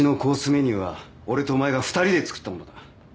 メニューは俺とお前が２人で作ったものだ。